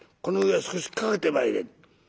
この上へ少しかけてまいれ」。